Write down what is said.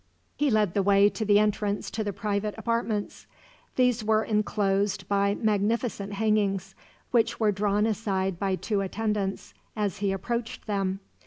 He led the way to the entrance to the private apartments. These were enclosed by magnificent hangings, which were drawn aside by two attendants as he approached them.